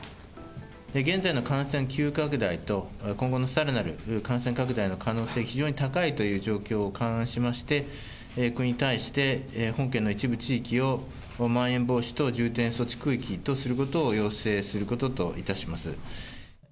現在の感染急拡大と、今後のさらなる感染拡大の可能性、非常に高いという状況を勘案しまして、国に対して本県の一部地域をまん延防止等重点措置区域とすることを要請することといたします。